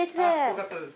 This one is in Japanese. よかったです。